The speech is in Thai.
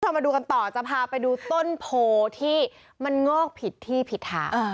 มาดูกันต่อจะพาไปดูต้นโพที่มันงอกผิดที่ผิดทาง